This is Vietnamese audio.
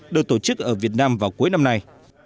được tổ chức ở việt nam vào cuối năm nay